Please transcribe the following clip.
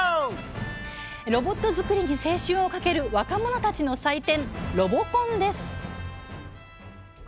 ロボット作りに青春をかける若者たちの祭典ロボコンです。